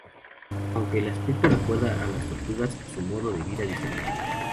Aunque el aspecto recuerda a las tortugas, su modo de vida difería.